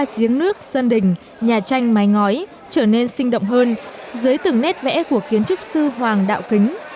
giếng nước sân đình nhà tranh mái ngói trở nên sinh động hơn dưới từng nét vẽ của kiến trúc sư hoàng đạo kính